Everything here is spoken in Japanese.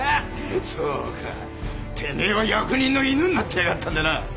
そうか手前は役人の密偵になっていやがったんだな！